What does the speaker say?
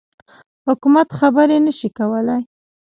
حکومت خبري نه شي کولای.